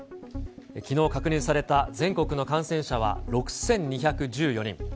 きのう確認された全国の感染者は６２１４人。